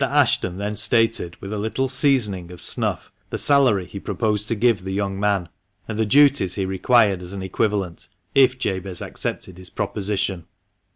Ashton then stated, with a little seasoning of snuff, the salary he proposed to give the young man, and the duties he required as an equivalent, if Jabez accepted his proposition.